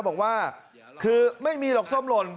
บอกว่าคือไม่มีหรอกส้มหล่น